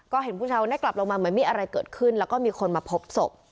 ก็เห็นผู้ชายคนนี้กลับลงมาเหมือนมีอะไรเกิดขึ้นแล้วก็มีคนมาพบศพ